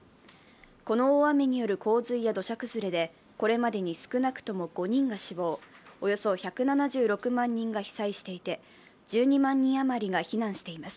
この大雨による洪水や土砂崩れでこれまでに少なくとも５人が死亡、およそ１７６万人が被災していて１２万人余りが避難しています。